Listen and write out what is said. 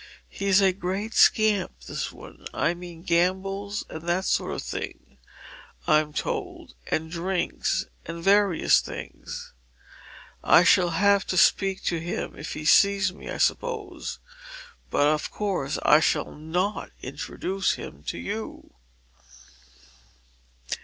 He's a great scamp this one, I mean; gambles, and that sort of thing, I'm told, and drinks, and and various things. I shall have to speak to him if he sees me, I suppose; but of course I shall not introduce him to you."